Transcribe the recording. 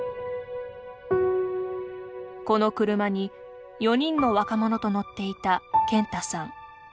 この車に４人の若者と乗っていた健太さん。